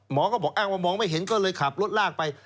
หมอก็บอกอ้างว่ามองไม่เห็นก็เลยขับรถลากไป